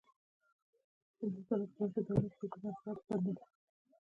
د علامه محمود طرزي سیاسي کوډونه.